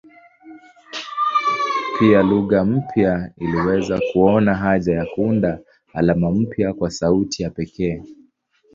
Pia lugha mpya iliweza kuona haja ya kuunda alama mpya kwa sauti ya pekee.